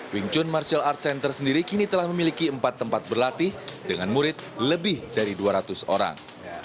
wing chun martial arts center sendiri kini telah memiliki empat tempat berlatih dengan murid lebih dari dua ratus orang